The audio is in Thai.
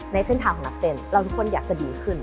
ในเส้นทางของนักเต้นเราทุกคนอยากจะดีขึ้น